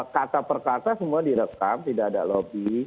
kata per kata semua direkam tidak ada lobby